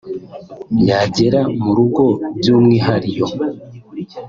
yagera mu rugo by’umwihario